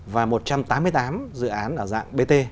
và một trăm tám mươi tám dự án là dạng bt